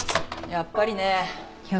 やっぱり？